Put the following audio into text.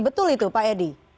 betul itu pak edwin